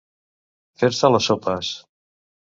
Fer-se les sopes.